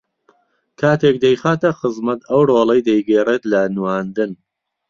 کاتێک دەیخاتە خزمەت ئەو ڕۆڵەی دەیگێڕێت لە نواندن